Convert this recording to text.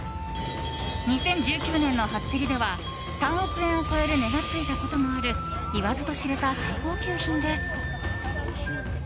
２０１９年の初競りでは３億円を超える値がついたこともある言わずと知れた最高級品です。